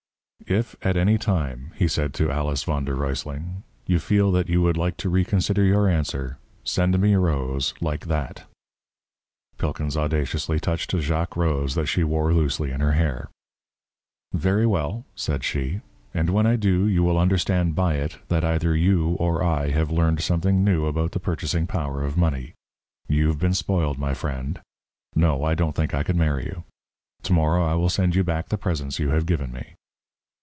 "If, at any time," he said to A. v. d. R., "you feel that you would like to reconsider your answer, send me a rose like that." Pilkins audaciously touched a Jacque rose that she wore loosely in her hair. "Very well," said she. "And when I do, you will understand by it that either you or I have learned something new about the purchasing power of money. You've been spoiled, my friend. No, I don't think I could marry you. To morrow I will send you back the presents you have given me."